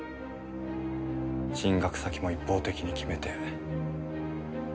進学先も一方的に決めて。